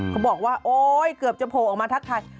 เขาบอกว่าโอ๊ยเกือบจะโผล่ออกมาทักทาย